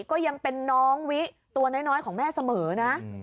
ก็ยังเป็นน้องวิตัวน้อยของแม่เสมอนะ